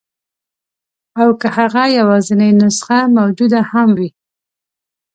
او که هغه یوازنۍ نسخه موجوده هم وي.